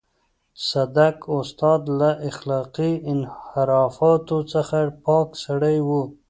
صدک استاد له اخلاقي انحرافاتو څخه پاک سړی و.